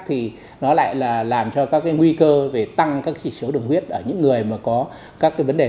thì nó lại là làm cho các cái nguy cơ về tăng các chỉ số đường huyết ở những người mà có các cái vấn đề